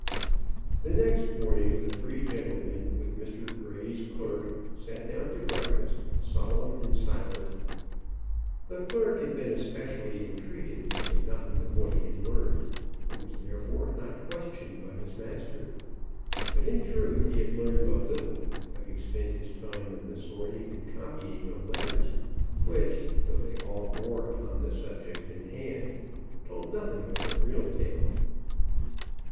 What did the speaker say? The next morning the three gentlemen, with Mr. Grey's clerk, sat down to breakfast, solemn and silent. The clerk had been especially entreated to say nothing of what he had learned, and was therefore not questioned by his master. But in truth he had learned but little, having spent his time in the sorting and copying of letters which, though they all bore upon the subject in hand, told nothing of the real tale.